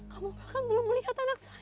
kamu bahkan belum melihat anak saya